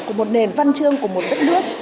của một nền văn chương của một đất nước